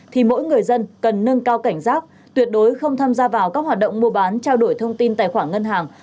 thì mỗi người dân cần nâng cao cảnh giác tuyệt đối không tham gia vào các hoạt động mua bán trao đổi thông tin tài khoản ngân hàng